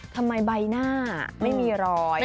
ทำไมใบหน้าไม่มีรอย